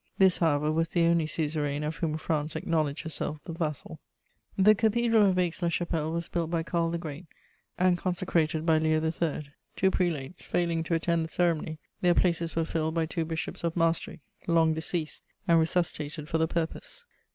This, however, was the only suzerain of whom France acknowledged herself the vassal. [Illustration: Le Comte de Rivarol.] The Cathedral of Aix la Chapelle was built by Karl the Great and consecrated by Leo III. Two prelates failing to attend the ceremony, their places were filled by two Bishops of Maastricht, long deceased, and resuscitated for the purpose.